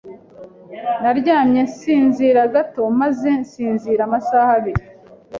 Naryamye nsinzira gato maze nsinzira amasaha abiri.